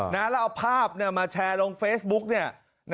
แล้วเอาภาพมาแชร์ลงเฟซบุ๊ก